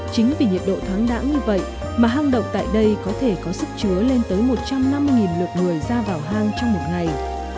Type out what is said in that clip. chính vì nhiệt độ thoáng đẳng như vậy mà hang động tại đây có thể có sức chứa lên tới một trăm năm lượt người ra vào hang trong một ngày